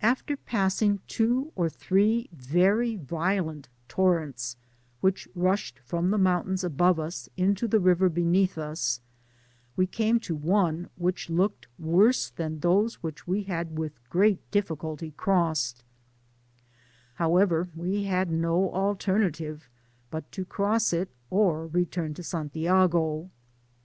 After passing two or three very violent torrents, which rushed from the mountains above us into the river beneath us, we came to one which looked worse than those which we had with great difficulty crossed ; however, we had no alternative but to cross it, or return to Santiago.